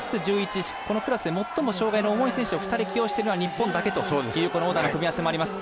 Ｓ１１、このクラスで最も障がいの重い選手を２人起用しているのは日本だけというオーダーの組み合わせもあります。